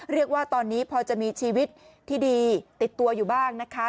เรียกว่าตอนนี้พอจะมีชีวิตที่ดีติดตัวอยู่บ้างนะคะ